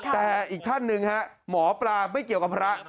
แต่อีกท่านหนึ่งฮะหมอปลาไม่เกี่ยวกับพระ